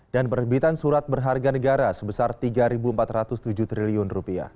dan perhubungan surat berharga negara sebesar rp tiga empat ratus tujuh triliun